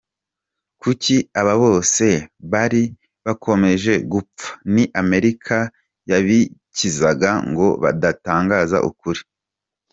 Kuki aba bose bari bakomeje gupfa, ni Amerika yabikizaga ngo badatangaza ukuri?.